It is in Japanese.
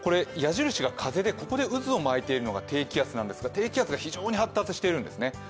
矢印が風で渦を巻いているのが低気圧なんですが低気圧が非常に発達しているんですね。